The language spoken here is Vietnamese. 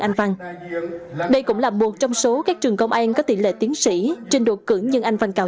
anh văn đây cũng là một trong số các trường công an có tỷ lệ tiến sĩ trình độ cử nhân anh văn cao